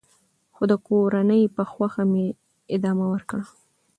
خو د کورنۍ په خوښه مې ادامه ورکړه .